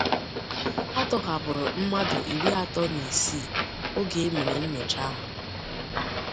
a tọhapụrụ mmadụ iri atọ na isii oge e mere nnyocha ha